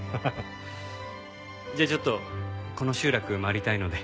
じゃあちょっとこの集落回りたいので。